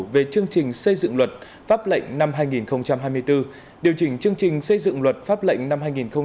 về chương trình xây dựng luật pháp lệnh năm hai nghìn hai mươi bốn